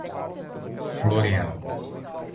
Floreal